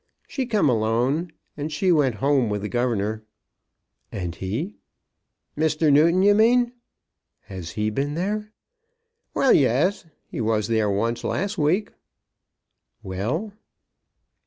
"She come alone, and she went home with the governor." "And he?" "Mr. Newton, you mean?" "Has he been there?" "Well; yes; he was there once last week." "Well?"